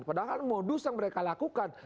padahal modus yang mereka lakukan